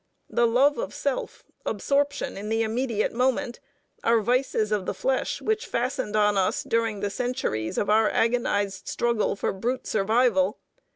The love of self, absorption in the immediate moment, are vices of the flesh which fastened on us during the centuries of our agonized struggle for brute survival.